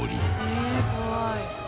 ええ怖い。